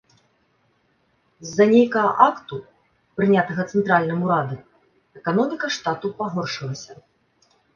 З-за нейкага акту, прынятага цэнтральным урадам, эканоміка штату пагоршылася.